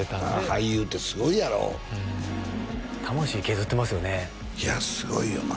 俳優ってすごいやろ魂削ってますよねいやすごいよな